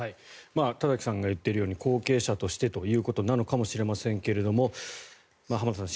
田崎さんが言っているように後継者としてということなのかもしれませんが浜田さん